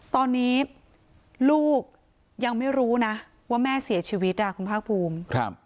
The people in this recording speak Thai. ตอนนี้ลูกยังไม่รู้นะว่าแม่เสียชีวิตคุณภาคภูมิ